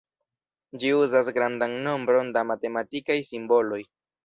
Ĝi uzas grandan nombron da matematikaj simboloj.